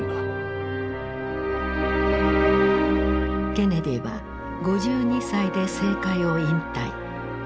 ケネディは５２歳で政界を引退。